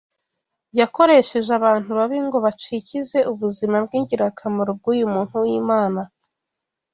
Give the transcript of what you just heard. Yakoresheje abantu babi ngo bacikize ubuzima bw’ingirakamaro bw’uyu muntu w’Imana